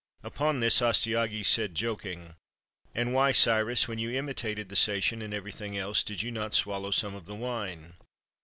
Upon this, Astyages said, joking: — 297 PERSIA " And why, Cyrus, when you imitated the Sacian in everything else, did not you swallow some of the wine?"